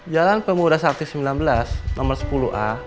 jalan pemuda sakti sembilan belas nomor sepuluh a